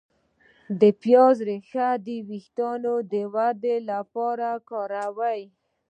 د پیاز ریښه د ویښتو د ودې لپاره وکاروئ